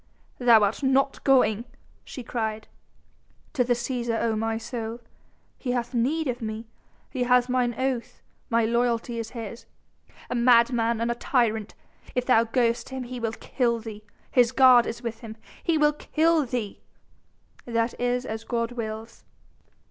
"Thou art not going!" she cried. "To the Cæsar, O my soul! He hath need of me! He has mine oath; my loyalty is his." "A madman and a tyrant. If thou goest to him he will kill thee!... his guard is with him ... he will kill thee!" "That is as God wills...!"